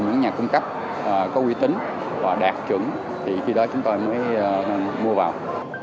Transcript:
những nhà cung cấp có uy tín và đạt chuẩn thì khi đó chúng tôi mới mua vào